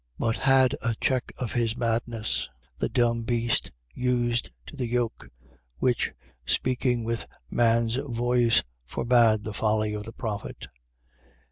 But had a check of his madness, the dumb beast used to the yoke, which, speaking with man's voice, forbade the folly of the prophet.